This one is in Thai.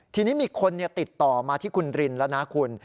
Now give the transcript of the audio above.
ทีนี้มีคนติดต่อมาที่คุณรินแล้วนะคุณ